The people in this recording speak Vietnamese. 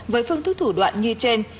với phương thức thủ đoạn như trên